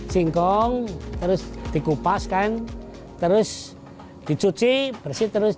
singkong terus dikupaskan terus dicuci bersih terus